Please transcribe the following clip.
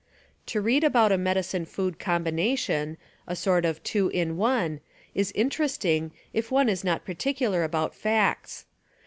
To read about a medicine food combination, a sort of two in one, is interesting if one is not particular about facts.